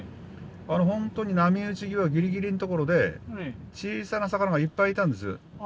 本当に波打ち際ギリギリん所で小さな魚がいっぱいいたんです。